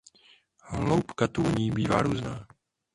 Hloubka tůní bývá různá.